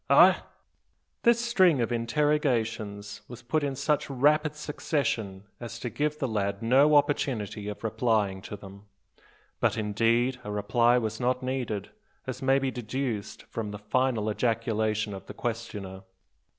Augh?" This string of interrogations was put in such rapid succession as to give the lad no opportunity of replying to them. But, indeed, a reply was not needed, as may be deduced from the final ejaculation of the questioner.